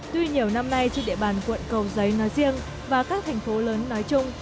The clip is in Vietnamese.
tuy nhiều năm nay trên địa bàn quận cầu giấy nói riêng và các thành phố lớn nói chung